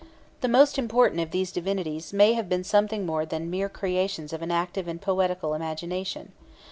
The most important of these divinities may have been something more than the mere creations of an active and poetical imagination.